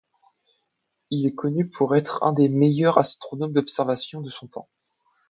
Il est connu pour être l'un des meilleurs astronomes d'observation de son temps.